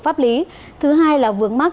pháp lý thứ hai là vướng mắc